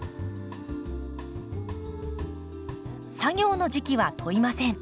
作業の時期は問いません。